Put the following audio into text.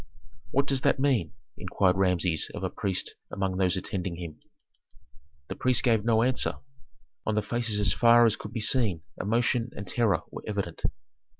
"What does that mean?" inquired Rameses of a priest among those attending him. The priest gave no answer; on the faces as far as could be seen emotion and terror were evident.